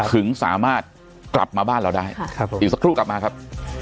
ถึงสามารถกลับมาบ้านเราได้ครับผมอีกสักครู่กลับมาครับ